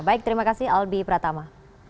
baik terima kasih albi pratama